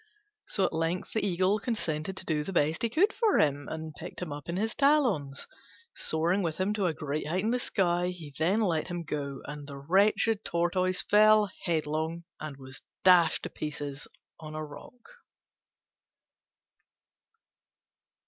So at length the Eagle consented to do the best he could for him, and picked him up in his talons. Soaring with him to a great height in the sky he then let him go, and the wretched Tortoise fell headlong and was dashed to pieces on a rock.